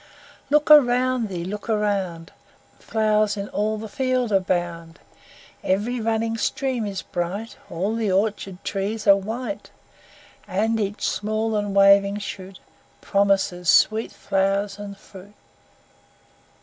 Look around thee, look around! Flowers in all the fields abound; Every running stream is bright; All the orchard trees are white; And each small and waving shoot Promises sweet flowers and fruit.